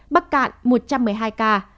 bắc cạn một trăm một mươi hai ca